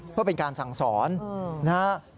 เพื่อเป็นการสั่งสอนนะครับ